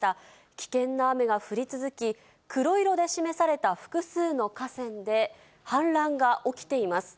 危険な雨が降り続き、黒色で示された複数の河川で氾濫が起きています。